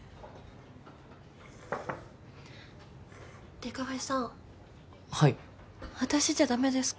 デカフェさんはい私じゃダメですか？